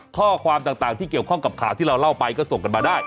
ข้อความต่างที่เกี่ยวข้องกับข่าวที่เราเล่าไปก็ส่งกันมาได้